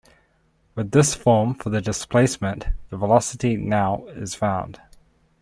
With this form for the displacement, the velocity now is found.